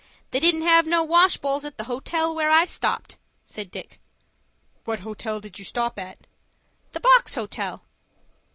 "They didn't have no wash bowls at the hotel where I stopped," said Dick. "What hotel did you stop at?" "The Box Hotel."